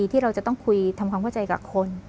ที่เราจะต้องคุยทำความเข้าใจกับคน